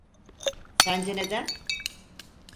Sence neden?